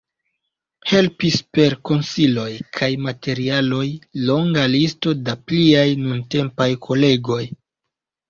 Helpis per konsiloj kaj materialoj longa listo da pliaj nuntempaj kolegoj.